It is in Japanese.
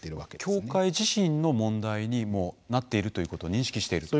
教会自身の問題になっているということを認識していると。